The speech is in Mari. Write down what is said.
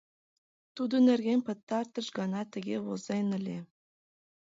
Тудын нерген пытартыш гана тыге возен ыле: